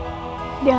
aku siap ngebantu